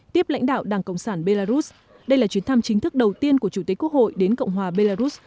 tiếp lãnh đạo đảng cộng sản belarus đây là chuyến thăm chính thức đầu tiên của chủ tịch quốc hội đến cộng hòa belarus